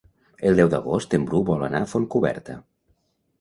El deu d'agost en Bru vol anar a Fontcoberta.